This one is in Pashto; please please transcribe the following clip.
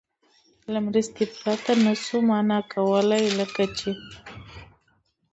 له مرستې پرته نه شو مانا کولای، لکه چې